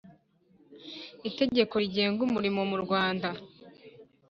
Itegeko rigenga umurimo mu Rwanda